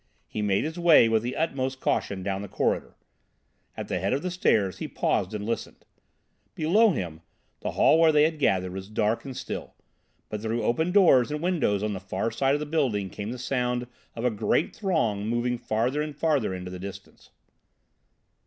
He made his way with the utmost caution down the corridor. At the head of the stairs he paused and listened. Below him, the hall where they had gathered was dark and still, but through opened doors and windows on the far side of the building came the sound of a great throng moving farther and farther into the distance.